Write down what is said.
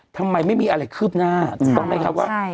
ทำไมไม่มีอะไรคืบหน้าถูกต้องไหมครับว่า